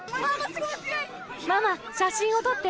ママ、写真を撮って！